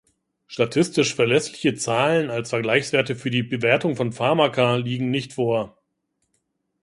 Statistisch verlässliche Zahlen als Vergleichswerte für die Bewertung von Pharmaka liegen nicht vor.